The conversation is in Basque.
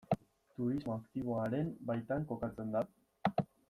Turismo aktiboaren baitan kokatzen da?